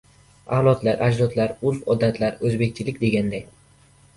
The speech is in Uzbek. — Avlod-ajdodlar... urf-odatlar... o‘zbakchilik... deganday.